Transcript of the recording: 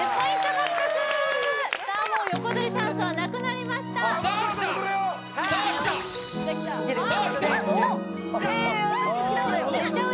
獲得さあもう横取りチャンスはなくなりましたさあきたさあきたいけるいってえー